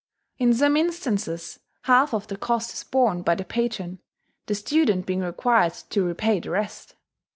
In some instances, half of the cost is borne by the patron; the student being required to repay the rest.